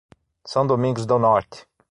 São Domingos do Norte